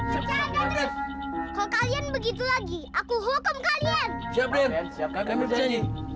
hai hahaha hahaha hahaha kalau kalian begitu lagi aku hukum kalian siapkan siapkan